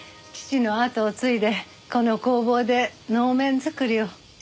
父の後を継いでこの工房で能面作りを。